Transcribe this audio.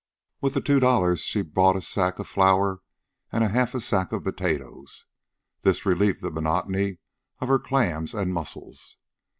With the two dollars she bought a sack of flour and half a sack of potatoes. This relieved the monotony of her clams and mussels.